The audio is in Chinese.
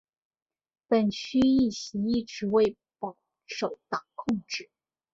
本区议席一直为保守党控制。